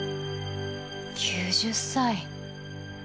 ９０歳。